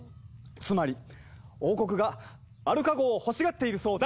つまり王国がアルカ号を欲しがっているそうだ！